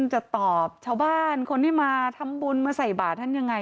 จะตอบชาวบ้านคนที่มาทำบุญมาใส่บาทท่านยังไง